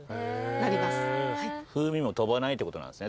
風味も飛ばないってことなんですね。